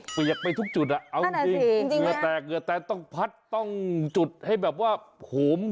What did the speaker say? เปียกไปทุกจุดเอาจริงเหลือแตกต้องพัดต้องจุดให้แบบว่าขม